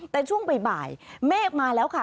แต่ช่วงบ่ายเมฆมาแล้วค่ะ